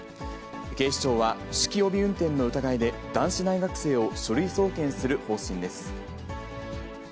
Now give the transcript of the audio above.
警視庁は酒気帯び運転の疑いで男子大学生を書類送検する方針です。